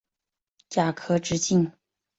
甲壳直径。